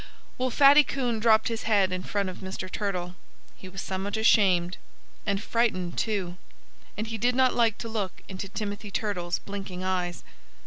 Well, Fatty Coon dropped his head in front of Mr. Turtle. He was somewhat ashamed, and frightened, too. And he did not like to look into Timothy Turtle's blinking eyes.